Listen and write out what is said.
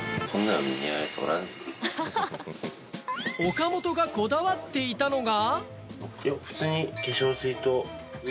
岡本がこだわっていたのが。